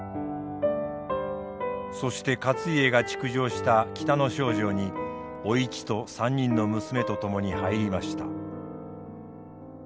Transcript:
そして勝家が築城した北の庄城にお市と３人の娘と共に入りました。